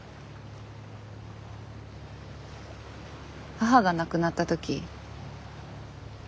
母が亡くなったとき。